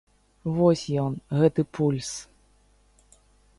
Вось ён, гэты пульс!